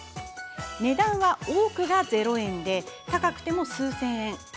値段は多くが０円で高くても数千円。